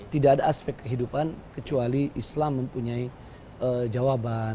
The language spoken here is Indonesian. tidak ada aspek kehidupan kecuali islam mempunyai jawaban